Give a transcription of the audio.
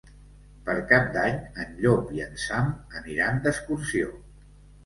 Per Cap d'Any en Llop i en Sam aniran d'excursió.